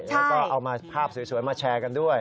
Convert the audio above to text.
แล้วก็เอามาภาพสวยมาแชร์กันด้วย